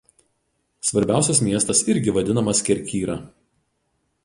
Svarbiausias miestas irgi vadinamas Kerkyra.